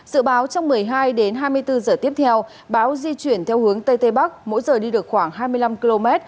dự báo trong một mươi hai đến hai mươi bốn giờ tiếp theo bão di chuyển theo hướng tây tây bắc mỗi giờ đi được khoảng hai mươi năm km